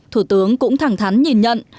thủ tướng cũng thẳng thắn nhìn nhận